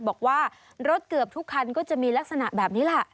บอกว่ารถเกือบทุกคันก็จะมีลักษณะแบบนี้แหละ